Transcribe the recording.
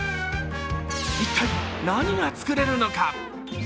一体、何が作れるのか？